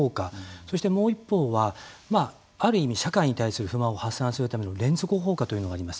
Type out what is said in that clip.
そしてもう一方はある意味、社会に対する不満を発散するための連続放火というのがあります。